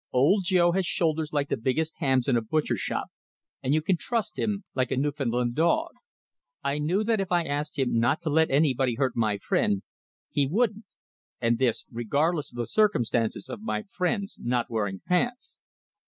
Old Joe has shoulders like the biggest hams in a butcher shop, and you can trust him like a Newfoundland dog. I knew that if I asked him not to let anybody hurt my friend, he wouldn't and this regardless of the circumstance of my friend's not wearing pants.